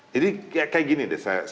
jadi kayak gini deh